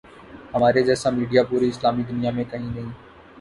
ہمارے جیسا میڈیا پوری اسلامی دنیا میں کہیں نہیں۔